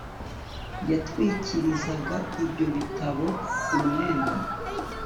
Yatwikirizaga ibyo bitabo umwenda